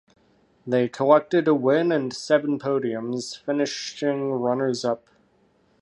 They collected a win and seven podiums, finishing runners-up.